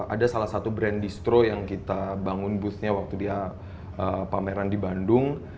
ada salah satu brand distro yang kita bangun boothnya waktu dia pameran di bandung